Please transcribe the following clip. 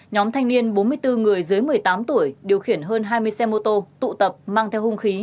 nhóm thanh niên bốn mươi bốn người dưới một mươi tám tuổi điều khiển hơn hai mươi xe mô tô tụ tập mang theo hung khí